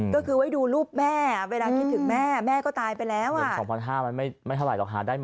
ก็คือไว้ดูรูปแม่เวลาคิดถึงแม่แม่ก็ตายไปแล้วอ่ะ